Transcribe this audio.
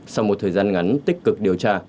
sau một thời gian ngắn tích cực điều tra